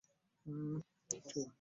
Tekisoboka kubeera na basajja babiri.